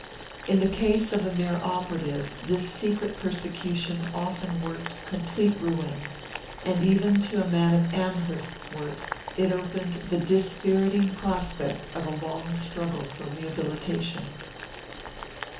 In the case of a mere operative this secret persecution often worked complete ruin; and even to a man of Amherst's worth it opened the dispiriting prospect of a long struggle for rehabilitation.